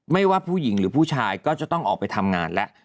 ไม่ว่าผู้หญิงหรือผู้ชายก็จะต้องออกไปทำงานแล้ว